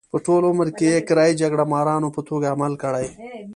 په ټول عمر کې یې کرایي جګړه مارانو په توګه عمل کړی.